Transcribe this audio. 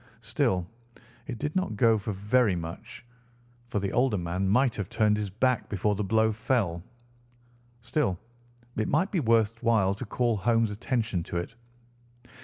Still, it did not go for very much, for the older man might have turned his back before the blow fell. Still, it might be worth while to call Holmes' attention to it.